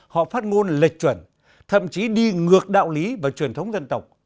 họ phát ngôn lệch chuẩn thậm chí đi ngược đạo lý và truyền thống dân tộc